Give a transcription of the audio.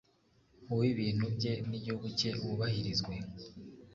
uw’ibintu bye n’igihugu cye wubahirizwe